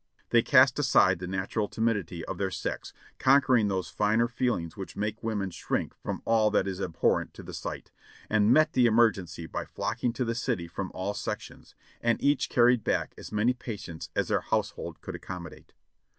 They cast aside the natural timidity of their sex. conquering those liner feelings which make women shrink from all that is abhorrent to the sight, and met the emergency by flocking to the city from all sections, and each carried back as many patients as her household could accommodate.